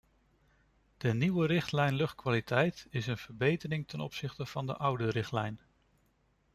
De nieuwe richtlijn luchtkwaliteit is een verbetering ten opzichte van de oude richtlijn.